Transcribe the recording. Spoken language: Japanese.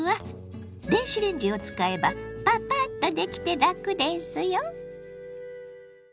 電子レンジを使えばパパッとできて楽ですよ。